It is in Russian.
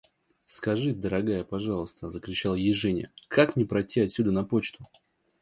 – Скажи, дорогая, пожалуйста, – закричала ей Женя, – как мне пройти отсюда на почту?